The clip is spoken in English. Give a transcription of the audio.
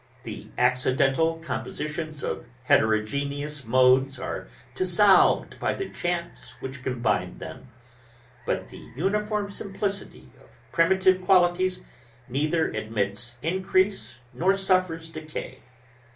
The accidental compositions of heterogeneous modes are dissolved by the chance which combined them; but the uniform simplicity of primitive qualities neither admits increase, nor suffers decay.